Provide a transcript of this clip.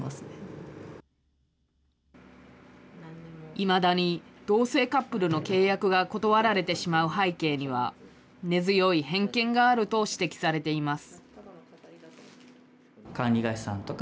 いまだに同性カップルの契約が断られてしまう背景には、根強い偏見があると指摘されています。